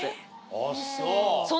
あっそう。